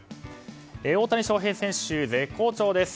大谷翔平選手、絶好調です。